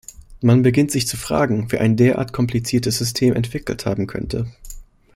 Man beginnt sich zu fragen, wer ein derart kompliziertes System entwickelt haben könnte.